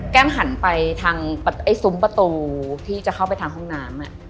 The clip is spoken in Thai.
หันไปทางซุ้มประตูที่จะเข้าไปทางห้องน้ำ